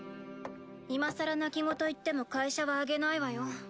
今更泣き言言っても会社はあげないわよ。